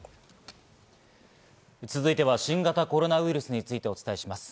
続いて新型コロナウイルスについてお伝えします。